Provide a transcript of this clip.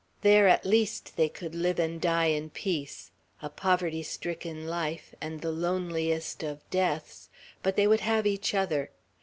There, at least, they could live and die in peace, a poverty stricken life, and the loneliest of deaths; but they would have each other.